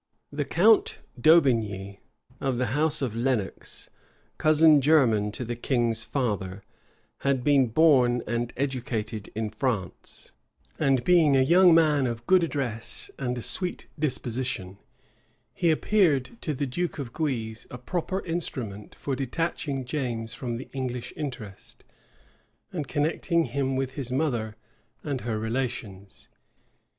The count d'Aubigney, of the house of Lenox, cousin german to the king's father, had been born and educated in France; and being a young man of good address and a sweet disposition, he appeared to the duke of Guise a proper instrument for detaching James from the English interest, and connecting him with his mother and her relations.